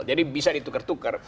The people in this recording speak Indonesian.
jadi bisa ditukar tukar